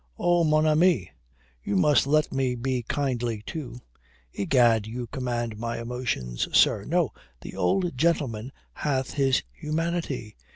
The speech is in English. "Oh, mon ami, you must let me be kindly too. Egad, you command my emotions, sir. No, the old gentleman hath his humanity.